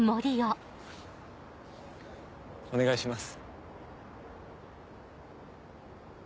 お願いします。